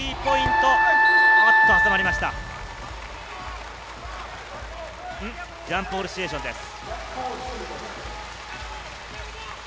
ジャンプボールシチュエーションです。